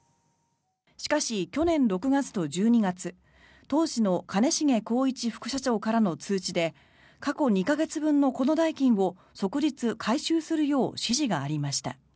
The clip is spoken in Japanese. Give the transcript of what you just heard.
しかし、去年６月と１２月当時の兼重宏一副社長からの通知で過去２か月分のこの代金を即日、回収するよう指示がありました。